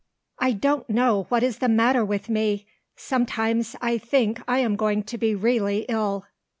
"I don't know what is the matter with me. Sometimes I think I am going to be really ill."